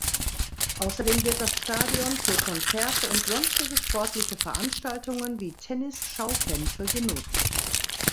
Außerdem wird das Stadion für Konzerte und sonstige sportliche Veranstaltungen wie Tennis-Schaukämpfe genutzt.